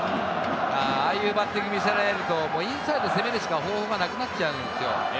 ああいうバッティングを見せられるとインサイドを攻めるしか方法がなくなっちゃうんですよ。